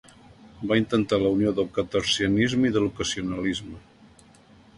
Va intentar la unió del cartesianisme i de l'ocasionalisme.